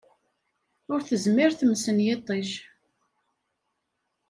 Ur tezmir tmes n yiṭij.